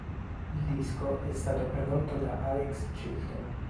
Il disco è stato prodotto da Alex Chilton.